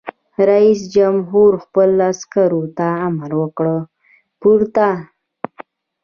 رئیس جمهور خپلو عسکرو ته امر وکړ؛ پورته!